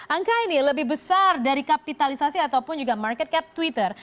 angka ini lebih besar dari kapitalisasi ataupun juga market cap twitter